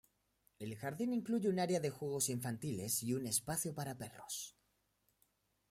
El jardín incluye un área de juegos infantiles y un espacio para perros.